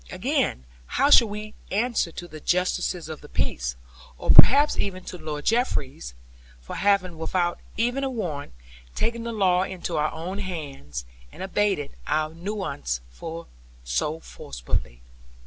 Again how should we answer to the justices of the peace, or perhaps even to Lord Jeffreys, for having, without even a warrant, taken the law into our own hands, and abated our nuisance so forcibly?